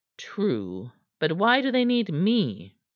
"True. But why do they need me?"